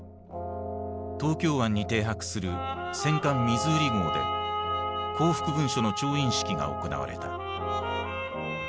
東京湾に停泊する戦艦ミズーリ号で降伏文書の調印式が行われた。